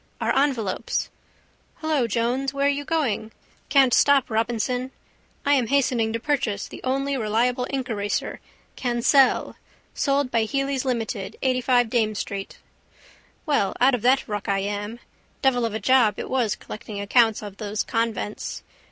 Our envelopes. Hello, Jones, where are you going? Can't stop, Robinson, I am hastening to purchase the only reliable inkeraser Kansell, sold by Hely's Ltd, 85 Dame street. Well out of that ruck I am. Devil of a job it was collecting accounts of those convents.